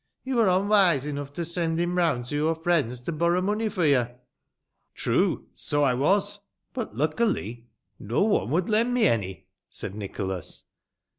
Yo were onwise enough to send him round to your friends to borrow money fo' yo." " True, so I was. But, luckily, no one would lend me äny," Said Nicholas.